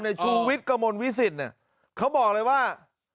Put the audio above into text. ชูวิทย์กระมวลวิสิตเนี่ยเขาบอกเลยว่า